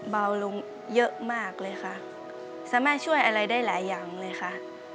เบาลงเยอะมากเลยค่ะสามารถช่วยอะไรได้หลายอย่างเลยค่ะ